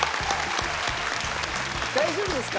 大丈夫ですか？